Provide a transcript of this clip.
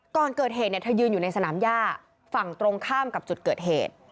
ก่อนเกิดเหตุเธอยืนอยู่ในสนามย่าฝั่งตรงข้ามกับจุดเกิดเหตุ